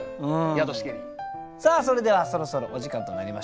「宿しけり」。さあそれではそろそろお時間となりました。